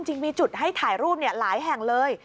จริงมีจุดให้ถ่ายรูปหลายแห่งเลย